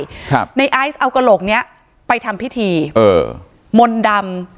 ครับในไอซ์เอากระโหลกเนี้ยไปทำพิธีเออมนต์ดำ